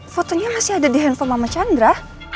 fotonya masih ada di handphone mama chandra